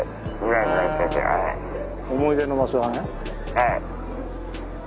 はい。